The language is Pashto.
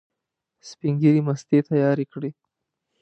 سپین ږیري مستې تیارې کړې.